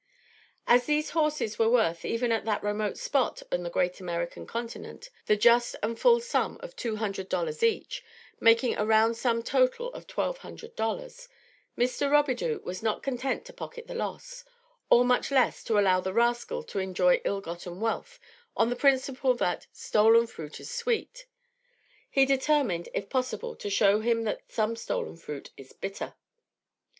As these horses were worth, even at that remote spot on the great American Continent, the just and full sum of two hundred dollars each, making a round sum total of twelve hundred dollars, Mr. Robidoux was not content to pocket the loss; or, much less, to allow the rascal to enjoy ill gotten wealth on the principle that "stolen fruit is sweet." He determined, if possible to show him that some stolen fruit is bitter.